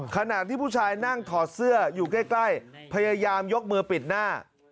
ขณะที่ผู้ชายนั่งถอดเสื้ออยู่ใกล้พยายามยกมือปิดหน้า